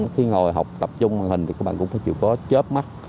khi ngồi học tập trung màn hình thì các bạn cũng phải chịu có chớp mắt